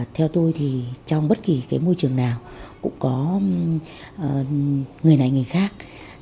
theo tôi trong bất kỳ môi trường nào cũng có người này người khác